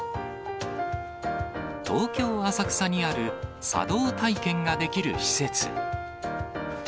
東京・浅草にある茶道体験ができる施設。